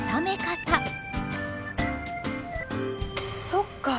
そっか。